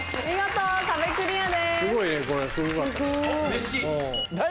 うれしい。